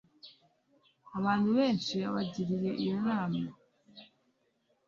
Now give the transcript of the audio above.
Abantu benshi барiriye iyo nama